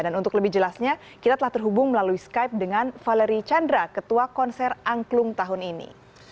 dan untuk lebih jelasnya kita telah terhubung melalui skype dengan valery chandra ketua konser angklung tahun ini